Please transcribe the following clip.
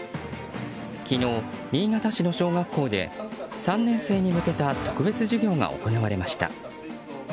昨日、新潟市の小学校で３年生に向けた特別授業が行われました。